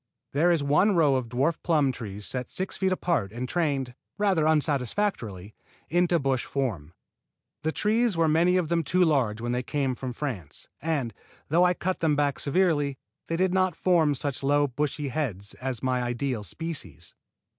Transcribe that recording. There is one row of dwarf plum trees set six feet apart and trained, rather unsatisfactorily, into bush form. The trees were many of them too large when they came from France, and, though I cut them back severely, they did not form such low bushy heads as my ideal species.